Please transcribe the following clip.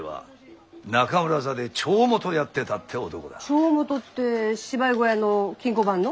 帳元って芝居小屋の金庫番の？